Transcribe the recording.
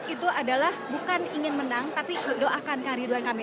itu adalah bukan ingin menang tapi doakan kang ridwan kamil